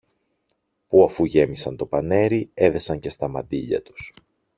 που αφού γέμισαν το πανέρι, έδεσαν και στα μαντίλια τους.